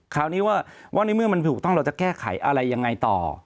คราวนี้ว่าในเมื่อมันถูกต้องเราจะแก้ไขอะไรยังไงต่อ